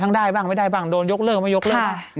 ได้บ้างไม่ได้บ้างโดนยกเลิกไม่ยกเลิกบ้าง